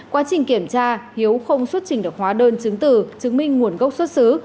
quá trình kiểm tra hiếu không xuất trình được hóa đơn chứng từ chứng minh nguồn gốc xuất xứ